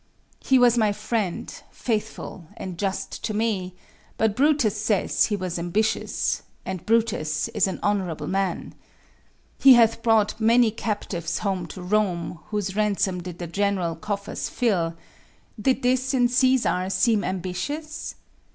He was my friend, faithful and just to me: But Brutus says he was ambitious; And Brutus is an honorable man. He hath brought many captives home to Rome, Whose ransoms did the general coffers fill: Did this in Cæsar seem ambitious?